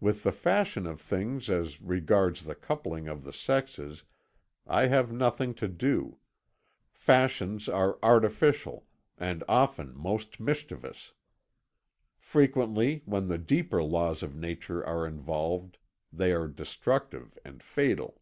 With the fashion of things as regards the coupling of the sexes I have nothing to do; fashions are artificial and often most mischievous. Frequently, when the deeper laws of nature are involved, they are destructive and fatal.